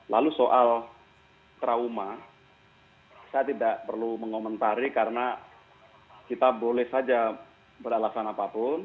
lalu soal trauma saya tidak perlu mengomentari karena kita boleh saja beralasan apapun